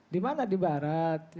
di mana di barat